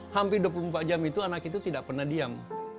hampir dua puluh empat jam itu anak itu tidak pernah diam